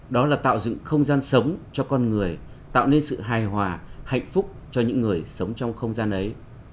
đó là tạo dựng không gian sống cho con người tạo nên sự hài hòa hạnh phúc cho những người sống trong không gian ấy